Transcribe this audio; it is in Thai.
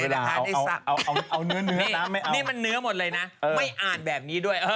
แอคชั่น